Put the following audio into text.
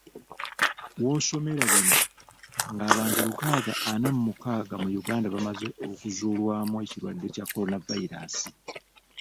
W'osomera bino, ng'abantu lukaaga ana mu mukaaga mu Uganda bamaze okuzuulwamu ekirwadde kya Kolonavayiraasi.